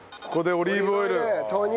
オリーブオイル投入！